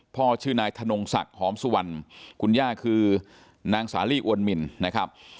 ชื่อนายธนงศักดิ์หอมสุวรรณคุณย่าคือนางสาลีอวนมินนะครับ